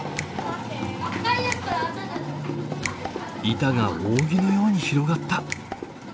板が扇のように広がった。